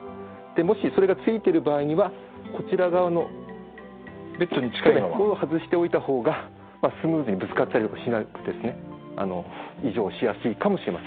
もしそれがついてる場合にはこちら側のここを外しておいた方がスムーズにぶつかったりとかしなくて移乗しやすいかもしれません。